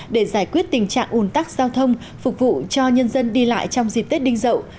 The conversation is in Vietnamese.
để giải quyết tình trạng ủn tắc giao thông phục vụ cho nhân dân đi lại trong dịp tết đinh dậu